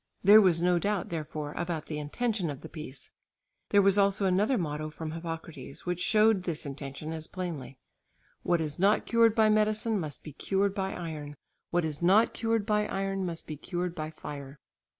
There was no doubt therefore about the intention of the piece. There was also another motto from Hippocrates which showed this intention as plainly; "What is not cured by medicine must be cured by iron; what is not cured by iron must be cured by fire."